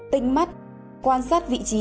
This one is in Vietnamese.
tinh mắt quan sát vị trí